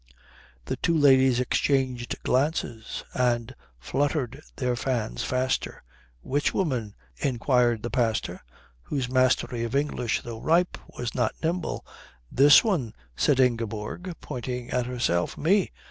The two ladies exchanged glances and fluttered their fans faster. "Which woman?" inquired the pastor, whose mastery of English, though ripe, was not nimble. "This one," said Ingeborg, pointing at herself. "Me.